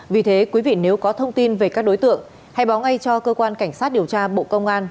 vì thế quý vị nếu có thông tin về các đối tượng hãy báo ngay cho cơ quan cảnh sát điều tra bộ công an